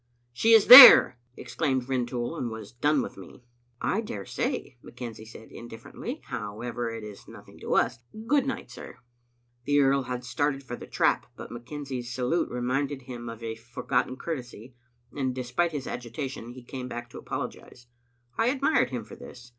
"She is there!" exclaimed Rintoul, and was done with me. "I daresay," McKenzie said indiflEerently. "How ever, it is nothing to us. Good night, sir." The earl had started for the trap, but McKenzie's salute reminded him of a forgotten courtesy, and, de spite his agitation, he came back to apologize. I ad mired him for this.